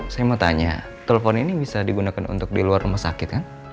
saya mau tanya telepon ini bisa digunakan untuk di luar rumah sakit kan